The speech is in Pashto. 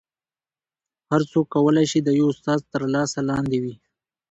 هر څوک کولی شي د یو استاد تر لاس لاندې وي